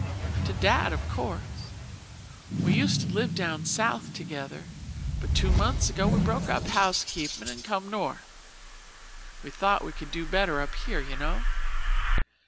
"To Dad, of course. We used to live down south together, but two months ago we broke up housekeepin' and come north. We thought we could do better up here, you know.